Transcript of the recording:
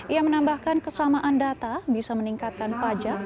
ia menambahkan kesamaan data bisa meningkatkan pajak